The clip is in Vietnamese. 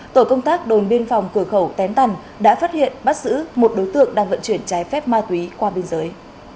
tổ công tác đồn biên phòng cửa khẩu tén tần đã phát hiện bắt giữ một đối tượng đang vận chuyển trái phép ma túy qua biên giới